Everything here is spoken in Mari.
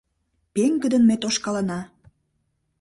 Пеҥгыдын ме тошкалына